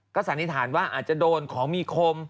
สันนิษฐานว่าอาจจะโดนของมีคม